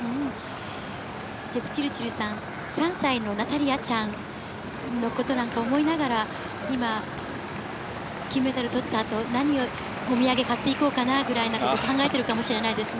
ジェプチルチルさん、３歳のナタリアちゃんのことなんかを思いながら、今、金メダルを取った後、何のお土産を買って行こうかな、なんて考えているかもしれませんね。